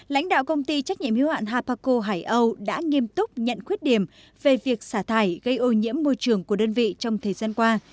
lãnh đạo công ty trách nhiệm hiếu hạn habaco hải âu đã nghiêm túc nhận khuyết điểm về việc xả thải gây ô nhiễm môi trường của đơn vị trong thời gian qua